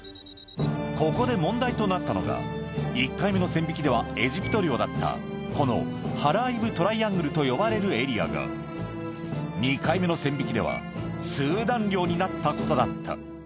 ここで問題となったのが１回目の線引きではエジプト領だったこのハラーイブトライアングルと呼ばれるエリアが２回目の線引きではスーダン領になったことだった